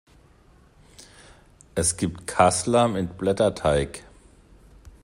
Es gibt Kassler mit Blätterteig.